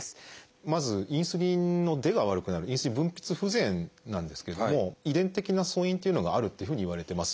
まずインスリンの出が悪くなるインスリン分泌不全なんですけれども遺伝的な素因というのがあるっていうふうにいわれてます。